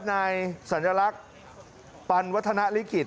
สัญลักษณ์ปันวัฒนาลิขิต